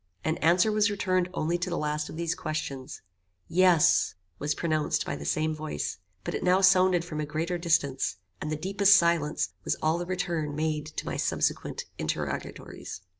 An answer was returned only to the last of these questions. "Yes," was pronounced by the same voice; but it now sounded from a greater distance, and the deepest silence was all the return made to my subsequent interrogatories.